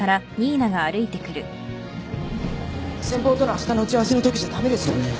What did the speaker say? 先方とのあしたの打ち合わせのときじゃ駄目ですよね？